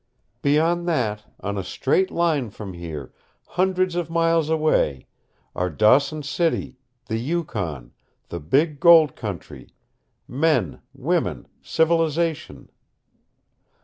"Beyond that, on a straight line from here hundreds of miles away are Dawson City, the Yukon, the big gold country, men, women, civilization.